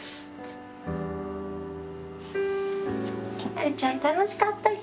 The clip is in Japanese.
あるちゃん楽しかった人？